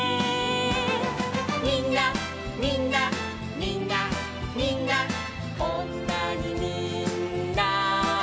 「みんなみんなみんなみんなこんなにみんな」